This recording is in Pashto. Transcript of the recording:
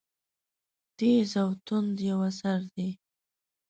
تېز او توند یو اثر دی.